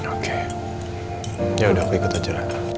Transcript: okay ya udah aku ikut aja